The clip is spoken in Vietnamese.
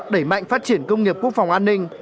đẩy mạnh phát triển công nghiệp quốc phòng an ninh